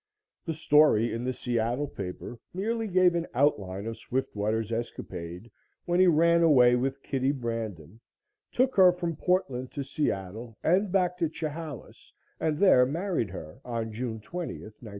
The story in the Seattle paper merely gave an outline of Swiftwater's escapade, when he ran away with Kitty Brandon, took her from Portland to Seattle and back to Chehalis and there married her on June 20th, 1901.